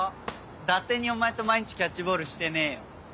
だてにお前と毎日キャッチボールしてねえよ。